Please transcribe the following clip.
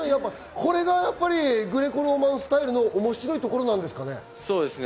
これがグレコローマンスタイルの面白いところなんですかね。